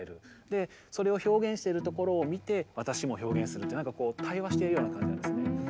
でそれを表現してるところを見て私も表現するってなんかこう対話してるような感じなんですね。